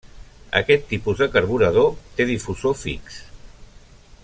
Aquest tipus de carburador té difusor fix.